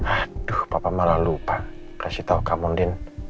aduh papa malah lupa kasih tahu kamu din